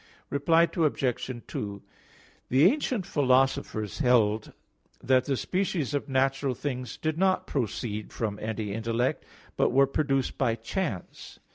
Reply Obj. 2: The ancient philosophers held that the species of natural things did not proceed from any intellect, but were produced by chance.